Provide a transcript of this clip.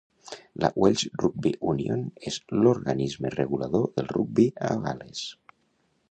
La Welsh Rugby Union és l'organisme regulador del rugbi a Gal·les.